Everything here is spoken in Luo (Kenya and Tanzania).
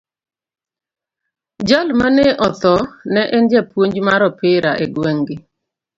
Jal mane otho ne en japuonj mar opira e gweng` gi.